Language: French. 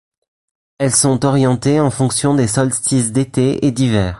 Elles sont orientées en fonction des solstices d'été et d'hiver.